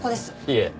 いえ。